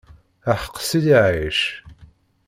Aḥeq Sidi Ɛic.